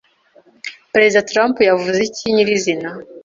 Perezida Trump yavuze iki nyirizina